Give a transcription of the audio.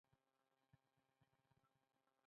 لیمو تریو وي او د وینې لپاره ګټور دی.